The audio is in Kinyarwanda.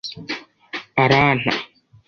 aranta